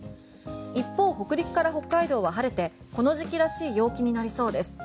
一方、北陸から北海道は晴れてこの時期らしい陽気になりそうです。